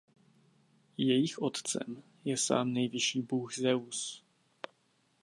Jejich otcem je sám nejvyšší bůh Zeus.